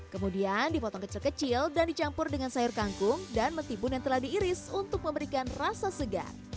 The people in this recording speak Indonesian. kemudian dipotong kecil kecil dan dicampur dengan sayur kangkung dan mentibun yang telah diiris untuk memberikan rasa segar